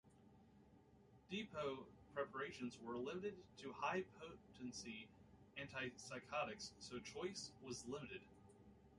Depot preparations were limited to high-potency antipsychotics so choice was limited.